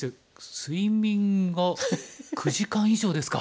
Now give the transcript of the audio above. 睡眠が９時間以上ですか。